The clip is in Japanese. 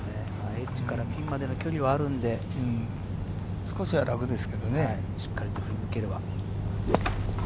エッジからピンまでの距離はあるので、しっかりと振り抜ければ。